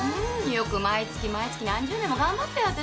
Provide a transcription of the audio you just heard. よく毎月毎月何十年も頑張ったよ私たち。